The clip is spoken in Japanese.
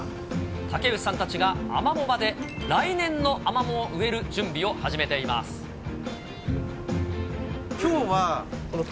竹内さんたちがアマモ場で来年のアマモを植える準備を始めています。